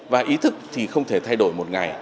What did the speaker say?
và ý thức thì không thể thay đổi một ngày